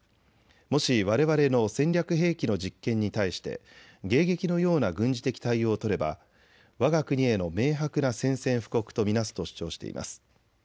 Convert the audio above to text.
もしわれわれの戦略兵器の実験に対して迎撃のような軍事的対応を取ればわが国への明白な宣戦布告と見なすと主張しています。